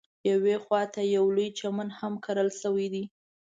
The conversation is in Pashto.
یوې خواته یې یو لوی چمن هم کرل شوی دی.